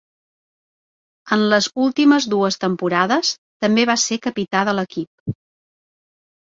En les últimes dues temporades també va ser capità de l'equip.